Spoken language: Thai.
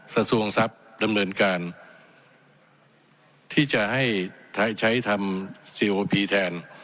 สะสวงทรัพย์ดำเนินการที่จะให้ใช้ทำแทน